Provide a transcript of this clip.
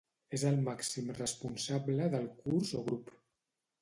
És el màxim responsable del curs o grup.